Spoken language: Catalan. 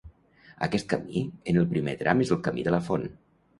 Aquest camí en el primer tram és el Camí de la Font.